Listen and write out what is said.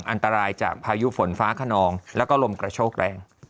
อันตรายจากพายุฝนฟ้าขนองแล้วก็ลมกระโชกแรง